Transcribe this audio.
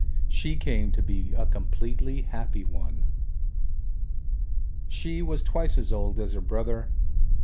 She came to be a completely happy one. She was twice as old as her brother.